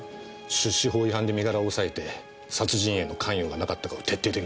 出資法違反で身柄を押さえて殺人への関与がなかったかを徹底的に。